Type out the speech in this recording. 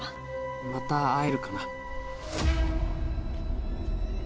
また会えるかな。